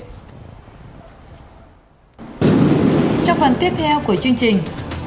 trong phần tiếp theo của chương trình